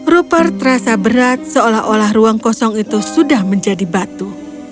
rupert terasa berat seolah olah ruang kosong itu sudah menjadi batu